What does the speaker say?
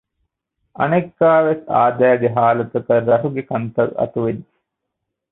އަނެއްކާވެސް އާދައިގެ ހާލަތަކަށް ރަށުގެ ކަންތައް އަތުވެއްޖެ